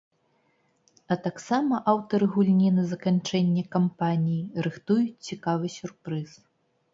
А таксама аўтары гульні на заканчэнне кампаніі рыхтуюць цікавы сюрпрыз.